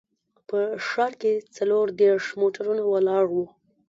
په ښار کې څلور دیرش موټرونه ولاړ وو.